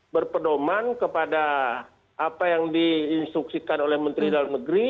berpedoman kepada apa yang diinstruksikan oleh menteri dalam negeri